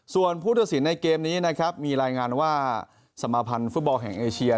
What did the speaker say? ส่วนผู้ตัดสินในเกมนี้นะครับมีรายงานว่าสมาพันธ์ฟุตบอลแห่งเอเชีย